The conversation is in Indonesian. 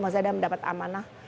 maksudnya sudah mendapat amanah